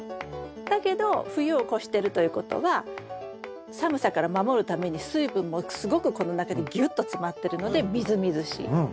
だけど冬を越してるということは寒さから守るために水分もすごくこの中にぎゅっと詰まってるのでみずみずしい。